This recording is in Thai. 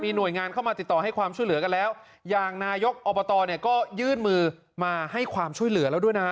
หน่วยงานเข้ามาติดต่อให้ความช่วยเหลือกันแล้วอย่างนายกอบตเนี่ยก็ยื่นมือมาให้ความช่วยเหลือแล้วด้วยนะ